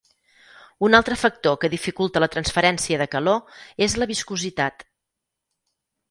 Un altre factor que dificulta la transferència de calor és la viscositat.